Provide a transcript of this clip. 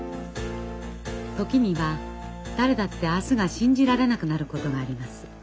時には誰だって明日が信じられなくなることがあります。